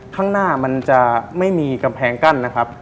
ข้างหน้ามันจะไม่มีกำแพงกั้นนะครับ